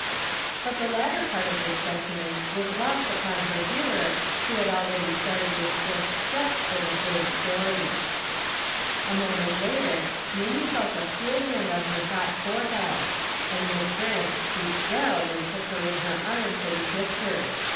But the latter part of this sentiment was lost upon her hearer who had already started with swift steps for the third story. A moment later Mamie felt a cool hand on her hot forehead, and Miss Grant stooped down and took her in her arms and kissed her.